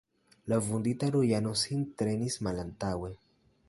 La vundita Rujano sin trenis malantaŭe.